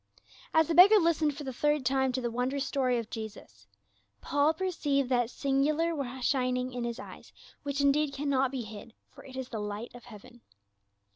As the beggar listened for the third time to the A MESSENGER OF THE MOST HIGH. 293 wondrous story of Jesus, Paul perceived that singular shining in his eyes which indeed cannot be hid, for it is the light of heaven.